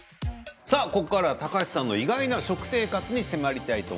さあここからは高橋さんの意外な食生活に迫りたいと思います。